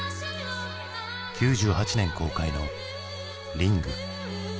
９８年公開の「リング」。